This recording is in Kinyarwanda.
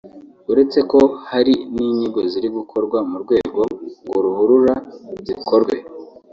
uretse ko hari n’inyigo ziri gukorwa mu rwego ngo ruhurura zikorwe